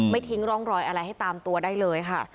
ทิ้งร่องรอยอะไรให้ตามตัวได้เลยค่ะ